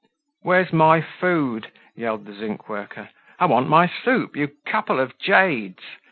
"Where's my food?" yelled the zinc worker. "I want my soup, you couple of jades!